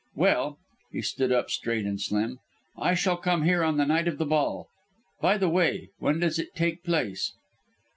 Well," he stood up straight and slim, "I shall come here on the night of the ball by the way, when does it take place?"